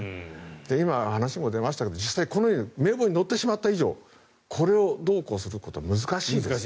今、話にも出ましたが実際、名簿に載ってしまった以上これをどうこうすることは難しいです。